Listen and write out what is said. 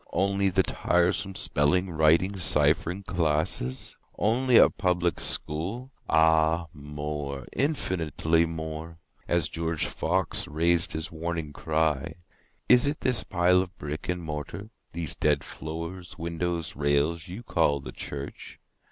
Only the tiresome spelling, writing, ciphering classes? Only a Public School? Ah more—infinitely more;(As George Fox rais'd his warning cry, "Is it this pile of brick and mortar—these dead floors, windows, rails—you call the church?